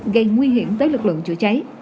gây nguy hiểm tới lực lượng chữa cháy